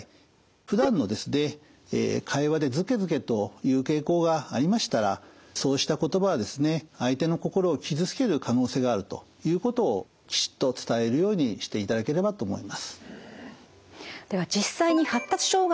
ふだんの会話でずけずけと言う傾向がありましたらそうした言葉はですね相手の心を傷つける可能性があるということをきちっと伝えるようにしていただければと思います。